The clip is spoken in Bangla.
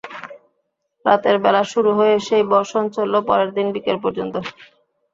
রাতের বেলা শুরু হয়ে সেই বর্ষণ চলল পরের দিন বিকেল পর্যন্ত।